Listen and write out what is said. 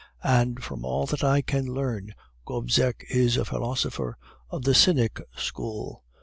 And from all that I can learn, Gobseck is a philosopher of the Cynic school.